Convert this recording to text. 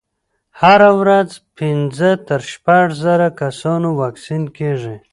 هره ورځ پنځه تر شپږ زره کسانو واکسین کېږي.